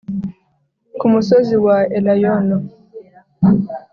ku musozi wa elayono